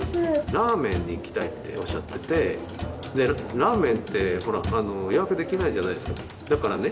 ラーメンに行きたいっておっしゃっててでラーメンってほらあの予約できないじゃないですかだからね